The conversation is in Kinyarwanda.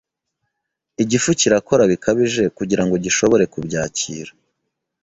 Igifu kirakora bikabije kugira ngo gishobore kubyakira,